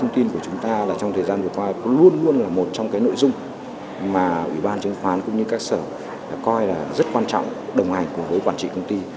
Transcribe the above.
trong thời gian vừa qua luôn luôn là một trong cái nội dung mà ủy ban trừng khoán cũng như các sở coi là rất quan trọng đồng hành với quản trị công ty